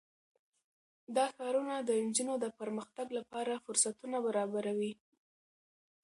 دا ښارونه د نجونو د پرمختګ لپاره فرصتونه برابروي.